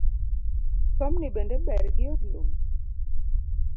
Komni bende ber gi od lum?